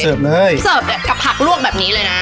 เสริฟเนี้ยกับผักร่วมแบบนี้เลยนะ